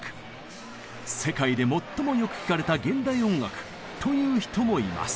「世界で最もよく聴かれた現代音楽」と言う人もいます。